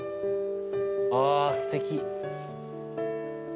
あすてき。